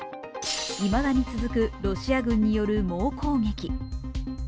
いまだに続くロシア軍による猛攻撃。